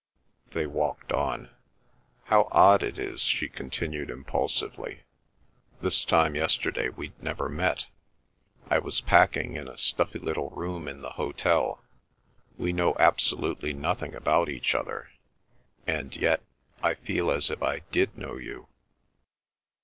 They walked on. "How odd it is!" she continued impulsively. "This time yesterday we'd never met. I was packing in a stuffy little room in the hotel. We know absolutely nothing about each other—and yet—I feel as if I did know you!"